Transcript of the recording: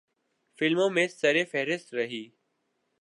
فلموں میں سرِ فہرست رہی۔